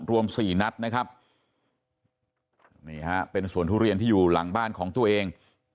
รวมสี่นัดนะครับนี่ฮะเป็นสวนทุเรียนที่อยู่หลังบ้านของตัวเอง